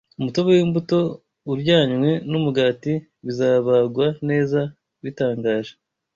Umutobe w’imbuto, uryanywe n’umugati, bizabagwa neza bitangaje